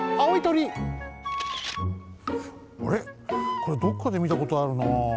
これどっかでみたことあるなあ。